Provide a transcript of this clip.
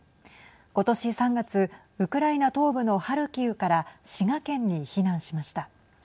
今年３月ウクライナ東部のハルキウから滋賀県に避難しました。